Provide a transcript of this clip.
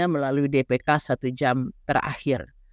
melalui dpk satu jam terakhir